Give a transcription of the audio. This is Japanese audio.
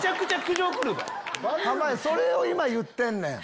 濱家それを今言ってんねん！